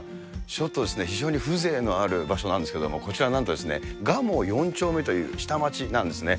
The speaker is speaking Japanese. ちょっと非常に風情のある場所なんですけれども、こちら、なんと、蒲生４丁目という下町なんですね。